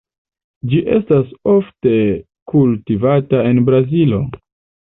Ĝi estas ofte kultivata en Brazilo.